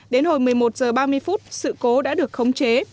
đến hồi một mươi một h ba mươi phút sự cố đã được khống chế